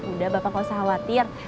udah bapak gak usah khawatir